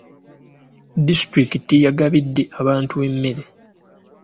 Disitulikiti yagabidde abantu emmere.